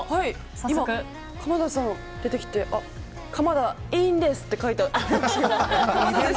今、鎌田さん出てきて鎌田いいんですって書いてあった。